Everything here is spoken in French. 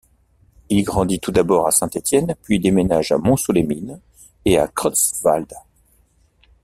Il grandit tout d'abord à Saint-Étienne, puis déménage à Montceau-les-mines et à Creutzwald.